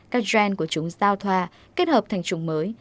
các gen của chúng giao thoa kết hợp thành chủng mới